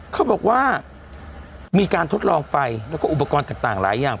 เขาบอกว่ามีการทดลองไฟแล้วก็อุปกรณ์ต่างหลายอย่าง